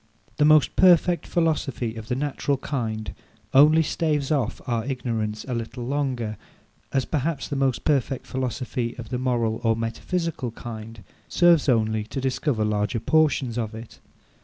The most perfect philosophy of the natural kind only staves off our ignorance a little longer: as perhaps the most perfect philosophy of the moral or metaphysical kind serves only to discover larger portions of it.